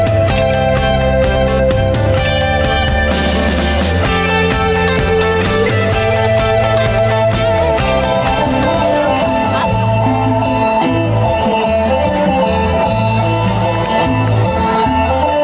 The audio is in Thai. วินไทย